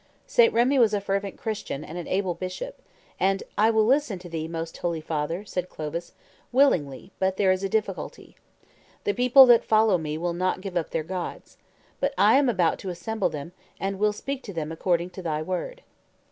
St. Remi was a fervent Christian and an able bishop; and "I will listen to thee, most holy father," said Clovis, "willingly; but there is a difficulty. The people that follow me will not give up their gods. But I am about to assemble them, and will speak to them according to thy word."